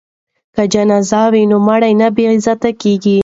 که جنازه وي نو مړی نه بې عزته کیږي.